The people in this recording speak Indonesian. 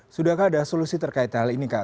sudahkah ada solusi terkait hal ini kak